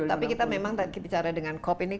tapi kita memang tadi bicara dengan cop ini